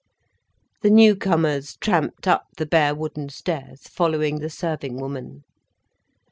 The newcomers tramped up the bare wooden stairs, following the serving woman.